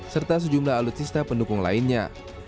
serta sejumlah alutsista pendukung lainnya